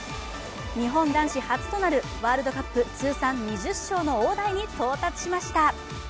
日本男子初となるワールドカップ通算２０勝の大台に到達しました。